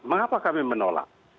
mengapa kami menolak